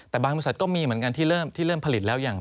แต่บางบริษัทก็มีเหมือนกันที่เริ่มที่เริ่มผลิตแล้วอย่าง